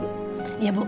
sebentar sebentar sebentar